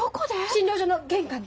診療所の玄関で。